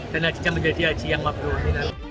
dan adiknya menjadi haji yang maklum